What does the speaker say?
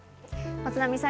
松並さん